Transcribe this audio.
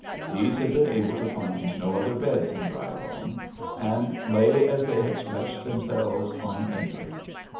These had been able to find no other beds in Drybone, and lay as they had stretched themselves on entering.